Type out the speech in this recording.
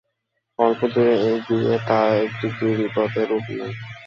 অল্পদূর এগিয়ে তা একটি গিরিপথে রূপ নেয়।